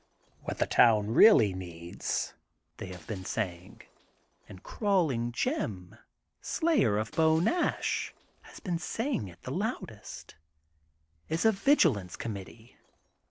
What the town really needs," they have been saying, — and Crawling Jim, slayer of Beau Nash, has been saying it the loudest, — is a vigilance committee.